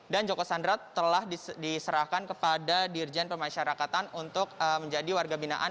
dan joko chandra telah diserahkan kepada dirjen pemasyarakatan untuk menjadi warga binaan